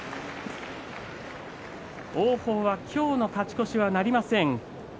王鵬は今日の勝ち越しはなりません。